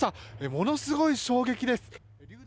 ものすごい衝撃です。